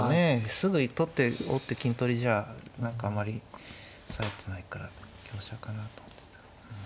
すぐに取って王手金取りじゃ何かあんまりさえてないから香車かなと思ってた。